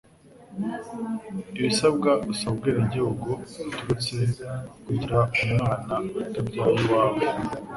Ibisabwa usaba ubwenegihugu buturutse k'ukugira umwana utabyaye uwawe